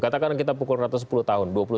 katakan kita pukul rata sepuluh tahun